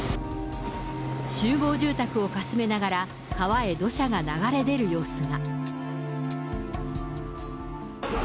集合住宅をかすめながら、川へ土砂が流れ出る様子が。